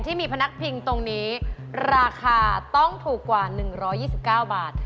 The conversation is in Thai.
พนักพิงตรงนี้ราคาต้องถูกกว่า๑๒๙บาท